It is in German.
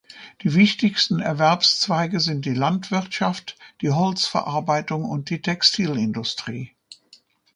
Die wichtigsten Erwerbszweige sind die Landwirtschaft, die Holzverarbeitung und die Textilindustrie.